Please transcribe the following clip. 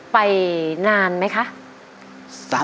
ไปนานไหมคะ